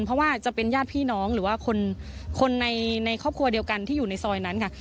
เพราะว่าจะเป็นญาติพี่น้องหรือว่าคนในครอบครัวเดียวกันที่อยู่ในซอยนั้นค่ะ